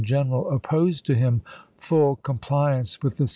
B<SSri general opposed to him full compliance with the j!